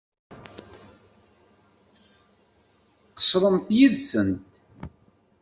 Qeṣṣremt yid-sent.